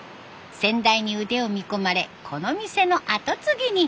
先代に腕を見込まれこの店の後継ぎに。